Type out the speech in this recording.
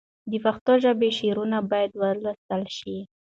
د پښتو ژبې شاعران باید وستایل شي.